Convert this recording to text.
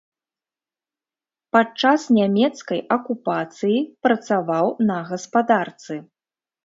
Падчас нямецкай акупацыі працаваў на гаспадарцы.